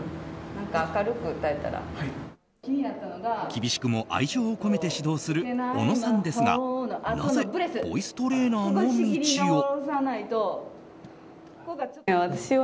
厳しくも愛情を込めて指導するおのさんですがなぜボイストレーナーの道を？